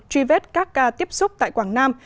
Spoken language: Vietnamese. truy vết các ca tiếp xúc tại quảng nam